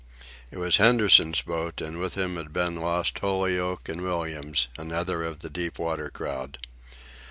It was Henderson's boat and with him had been lost Holyoak and Williams, another of the deep water crowd.